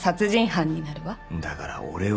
だから俺は。